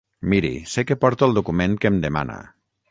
Miri, sé que porto el document que em demana.